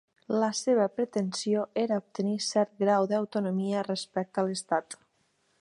La seva pretensió era obtenir cert grau d'autonomia respecte a l'estat.